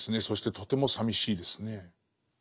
そしてとてもさみしいですね。